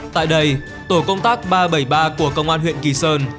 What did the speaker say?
tại đây tổ công tác ba trăm bảy mươi ba của công an huyện kỳ sơn